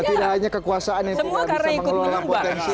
tidak hanya kekuasaan yang tidak bisa mengelola potensi